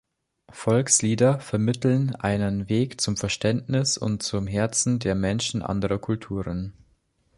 Volkslieder vermitteln einen Weg zum Verständnis und zum Herzen der Menschen anderer Kulturen.